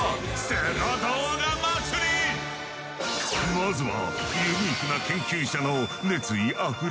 まずは。